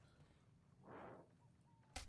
Se le consideraba como un militar de línea dura.